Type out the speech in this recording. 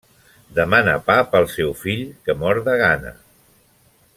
Demana pa pel seu fill, que mor de gana.